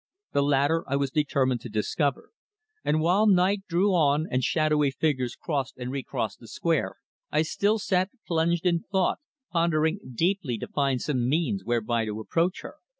The latter I was determined to discover, and while night drew on and shadowy figures crossed and recrossed the square, I still sat plunged in thought, pondering deeply to find some means whereby to approach her.